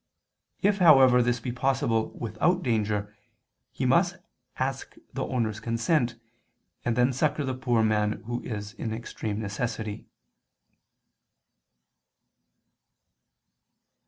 If however this be possible without danger, he must ask the owner's consent, and then succor the poor man who is in extreme necessity.